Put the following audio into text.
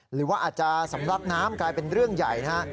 หรือว่าอาจจะสำลักน้ำกลายเป็นเรื่องใหญ่นะฮะ